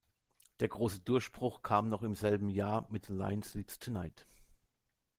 Der große Durchbruch kam noch im selben Jahr mit The Lion Sleeps Tonight.